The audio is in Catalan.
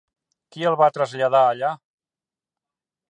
Qui el va traslladar allà?